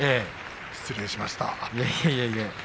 失礼しました。